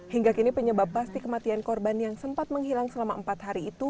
hingga kini penyebab pasti kematian korban yang sempat menghilang selama empat hari itu